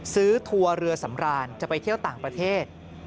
ทัวร์เรือสำรานจะไปเที่ยวต่างประเทศ